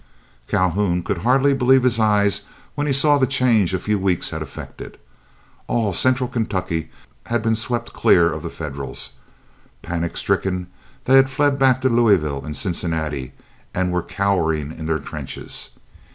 Calhoun could hardly believe his eyes when he saw the change a few weeks had effected. All Central Kentucky had been swept clear of the Federals. Panic stricken they had fled back to Louisville and Cincinnati, and were cowering in their trenches.